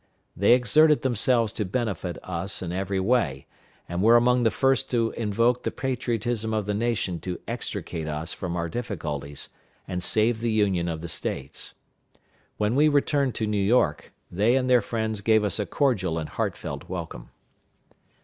They exerted themselves to benefit us in every way, and were among the first to invoke the patriotism of the nation to extricate us from our difficulties, and save the union of the States. When we returned to New York, they and their friends gave us a cordial and heartfelt welcome.